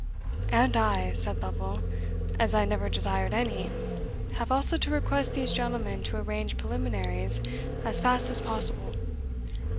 "And I," said Lovel, "as I never desired any, have also to request these gentlemen to arrange preliminaries as fast as possible."